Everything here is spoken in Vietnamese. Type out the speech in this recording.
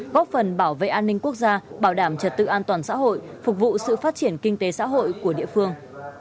góp phần bảo vệ an ninh quốc gia bảo đảm trật tự an toàn xã hội phục vụ sự phát triển kinh tế xã hội của địa phương